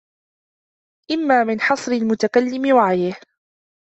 إمَّا مِنْ حَصْرِ الْمُتَكَلِّمِ وَعِيِّهِ